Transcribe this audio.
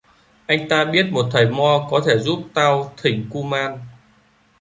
Anh ta biết một thầy mo có thể giúp tao thỉnh ku man